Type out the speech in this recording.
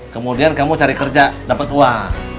kemudian kamu cari kerja dapat uang